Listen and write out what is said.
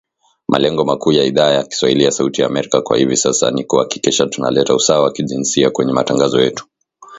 Malengo makuu ya Idhaa ya kiswahili ya Sauti ya Amerika kwa hivi sasa ni kuhakikisha tunaleta usawa wa kijinsia kwenye matangazo yetu